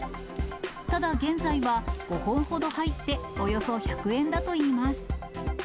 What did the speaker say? ただ現在は、５本ほど入っておよそ１００円だといいます。